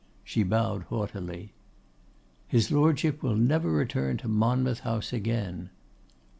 She bowed haughtily. 'His Lordship will never return to Monmouth House again.